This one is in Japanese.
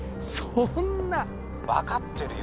そんな☎分かってるよ